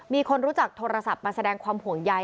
มีคนรู้จักโทรศัพท์มาแสดงความห่วงใย